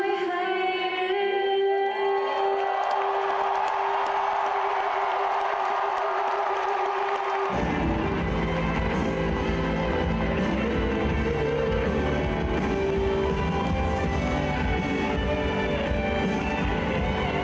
ในวัน